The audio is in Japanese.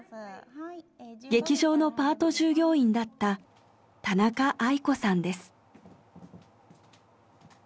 劇場のパート従業員だった田中亜衣子さんです。